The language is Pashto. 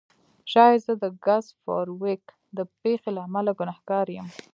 شاید زه د ګس فارویک د پیښې له امله ګناهګار یم